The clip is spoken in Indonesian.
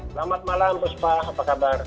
selamat malam buspa apa kabar